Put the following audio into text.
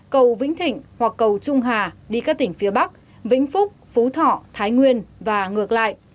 cầu vĩnh thịnh hoặc cầu trung hà đi các tỉnh phía bắc vĩnh phúc phú thọ thái nguyên và ngược lại